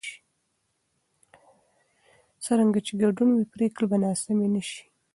څرنګه چې ګډون وي، پرېکړې به ناسمې نه شي.